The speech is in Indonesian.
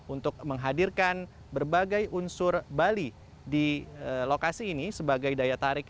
untuk menghadirkan berbagai unsur bali di lokasi ini sebagai daya tarik